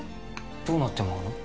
どうなってまうの？